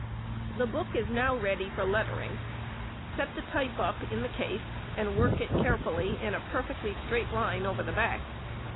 The book is now ready for lettering. Set the type up in the case, and work it carefully in a perfectly straight line over the back.